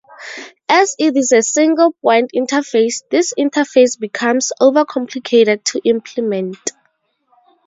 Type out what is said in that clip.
As it is a single point interface, this interface becomes over-complicated to implement.